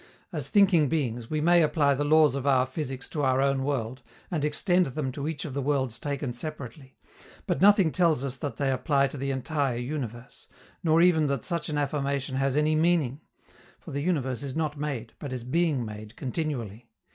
As thinking beings, we may apply the laws of our physics to our own world, and extend them to each of the worlds taken separately; but nothing tells us that they apply to the entire universe, nor even that such an affirmation has any meaning; for the universe is not made, but is being made continually.